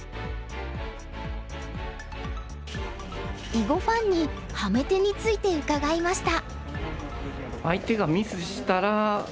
囲碁ファンにハメ手について伺いました。